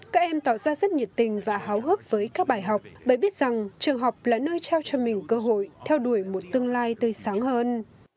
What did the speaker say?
các em tạo ra rất nhiệt tình và hào hức với các bài học bởi biết rằng trường học là nơi trao cho mình cơ hội theo đuổi một tương lai tươi sáng hơn